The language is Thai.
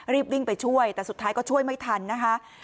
รีบวิ่งไปช่วยแต่สุดท้ายก็ช่วยไม่ทันนะคะ